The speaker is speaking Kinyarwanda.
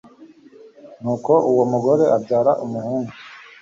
nuko uwo mugore abyara umuhungu